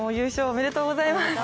おめでとうございます。